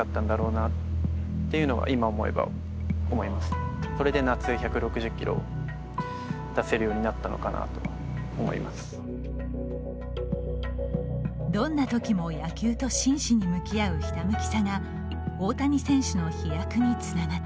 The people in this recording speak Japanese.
どんなときも野球と真摯に向き合うひたむきさが大谷選手の飛躍につながっている。